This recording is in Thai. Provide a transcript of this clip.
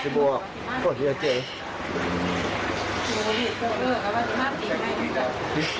ขอบคุณสิบวกขอบคุณอาเจน